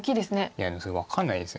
いやでも分かんないんです。